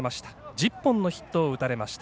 １０本のヒットを打たれました